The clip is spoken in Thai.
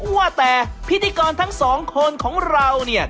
ว่าแต่พิธีกรทั้งสองคนของเราเนี่ย